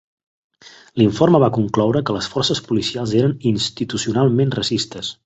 L'informe va concloure que les forces policials eren "institucionalment racistes".